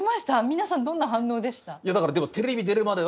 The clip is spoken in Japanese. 皆さんどんな反応でした？